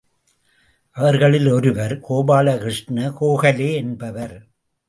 அவர்களிலே ஒருவர், கோபால கிருஷ்ண கோகலே என்பவர்.